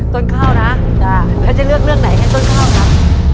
ต้นข้าวนะจะเลือกเลือกไหนให้ต้นข้าวนะ